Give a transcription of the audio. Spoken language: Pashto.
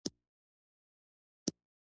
توره زخه ستا پهٔ اننګو ولاړه ده